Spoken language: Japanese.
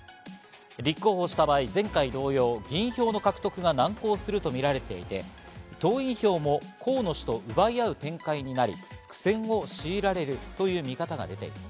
立候補した場合、前回同様、議員票の獲得が難航するとみられていて、党員票も河野氏と奪い合う展開になり、苦戦を強いられるという見方が出ています。